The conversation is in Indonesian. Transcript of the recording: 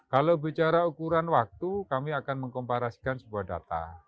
kalau bicara ukuran waktu kami akan mengkomparasikan sebuah data